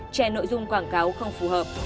che nội dung quảng cáo không phù hợp